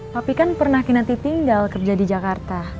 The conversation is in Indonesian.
papi kan pernah kinanti tinggal kerja di jakarta